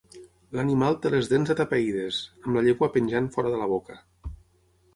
L'animal té les dents atapeïdes, amb la llengua penjant fora de la boca.